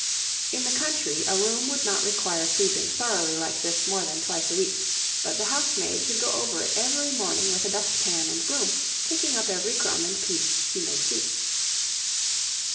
In the country, a room would not require sweeping thoroughly like this more than twice a week; but the housemaid should go over it every morning with a dust pan and broom, taking up every crumb and piece she may see.